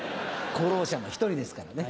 功労者の１人ですからね。